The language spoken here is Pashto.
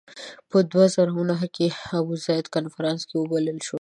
په دوه زره نهه کې ابوزید کنفرانس کې وبلل شو.